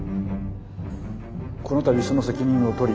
この度その責任を取り艦長